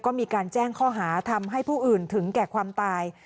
ก็มีการแจ้งข้อหาทำให้ผู้อื่นถึงแก่ความตาย